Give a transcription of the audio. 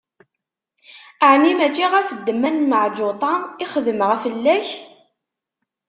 Ɛni mačči ɣef ddemma n Meɛǧuṭa i xedmeɣ fell-ak?